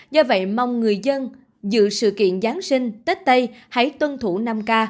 do vậy mong người dân dự sự kiện giáng sinh tết tây hãy tuân thủ năm k